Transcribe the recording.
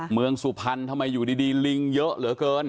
เมืองสุพรรณทำไมอยู่ดีลิงเยอะเหลือเกิน